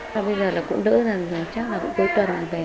sau bây giờ là cũng đỡ rồi chắc là cũng cuối tuần là về